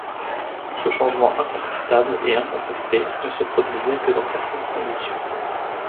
Ce changement incontestable et incontesté ne se produisait que dans certaines conditions.